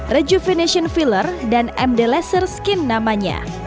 rejupination filler dan md laser skin namanya